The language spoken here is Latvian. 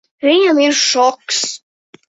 Viņam ir šoks.